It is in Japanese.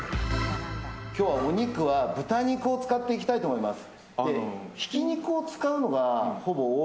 今日はお肉は豚肉を使っていきたいと思います。